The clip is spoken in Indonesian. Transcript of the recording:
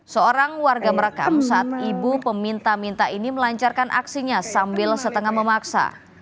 seorang warga merekam saat ibu peminta minta ini melancarkan aksinya sambil setengah memaksa